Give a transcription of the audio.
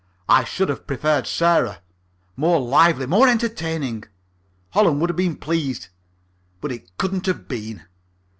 I should have preferred Sarah. More lively, more entertaining. Holland would have been pleased. But it couldn't be done.